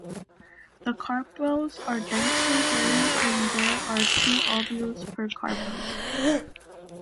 The carpels are densely hairy and there are two ovules per carpel.